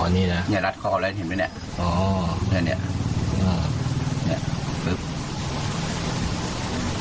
อ๋อนี่นะเนี้ยรัดคอแล้วเห็นไหมเนี้ยอ๋อแน่เนี้ย